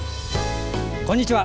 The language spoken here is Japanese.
こんにちは。